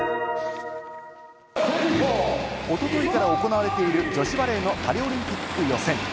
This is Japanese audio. おとといから行われている女子バレーのパリオリンピック予選。